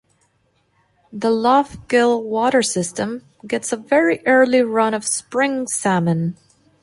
The Lough Gill water system gets a very early run of spring salmon.